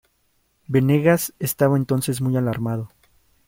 Venegas estaba entonces muy alarmado.